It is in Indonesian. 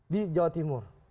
di jawa timur